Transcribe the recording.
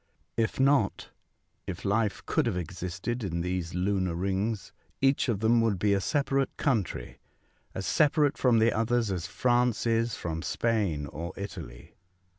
If not, if life could have existed in these lunar rings, each of them would be a separate country, as separated from the others as France is from Spain or Italy.